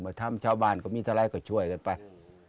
ทำชาวบ้านก็มีอะไรก็ช่วยกันไป